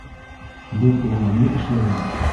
Беҙ уға ни эшләгән?